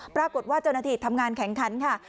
ปรากฏว่าเจ้าหน้าที่ทำงานแข่งขันค่ะ